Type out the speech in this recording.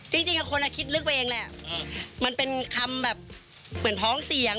จริงจริงกับคนอ่ะคิดลึกไปเองแหละอืมมันเป็นคำแบบเหมือนพ้องเสียง